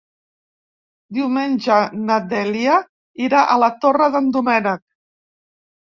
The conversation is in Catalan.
Diumenge na Dèlia irà a la Torre d'en Doménec.